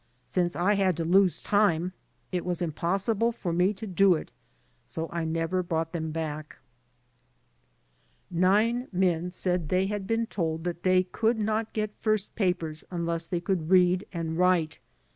Since I had to lose time, it was impossible for me to do it, so I never brought them back." Nine men said they had been told that they could not get first papers unless they could read and write, and * See Appendix II, Table I.